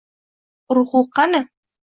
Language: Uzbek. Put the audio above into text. Urg'u qani?